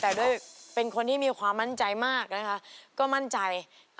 แต่ด้วยเป็นคนที่มีความมั่นใจมากนะคะก็มั่นใจ